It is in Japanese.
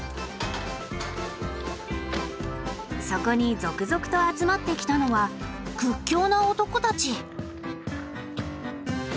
そこに続々と集まってきたのは屈強な男たち。